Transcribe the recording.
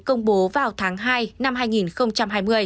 công bố vào tháng hai năm hai nghìn hai mươi